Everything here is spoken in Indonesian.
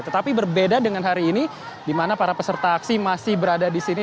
tetapi berbeda dengan hari ini di mana para peserta aksi masih berada di sini